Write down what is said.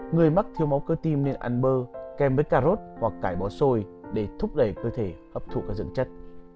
người mắc thiếu máu cơ tim nên ăn bơ kem với carot hoặc cải bò xôi để thúc đẩy cơ thể hấp thụ các dưỡng chất